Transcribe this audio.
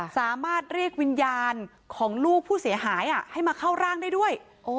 สามารถเรียกวิญญาณของลูกผู้เสียหายให้มาเข้าร่างได้ด้วย